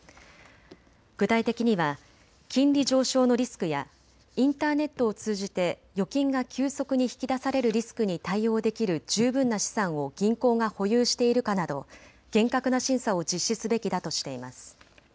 具体的には金利上昇のリスクやインターネットを通じて預金が急速に引き出されるリスクに対応できる十分な資産を銀行が保有しているかなど厳格な審査を実施すべきだとしています。